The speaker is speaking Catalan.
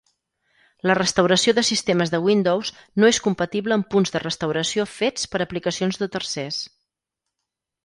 La restauració de sistemes de Windows no és compatible amb punts de restauració fets per aplicacions de tercers.